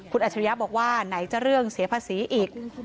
คุณอัจฉริยะบอกว่าไหนจะเรื่องเสียภาษีอีก